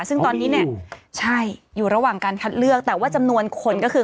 ซึ่งตอนนี้เนี่ยใช่อยู่ระหว่างการคัดเลือกแต่ว่าจำนวนคนก็คือ